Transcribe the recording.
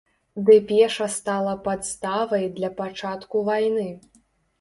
Дэпеша стала падставай для пачатку вайны.